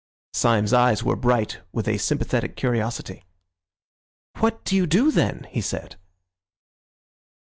Syme's eyes were bright with a sympathetic curiosity. "What do you do, then?" he said.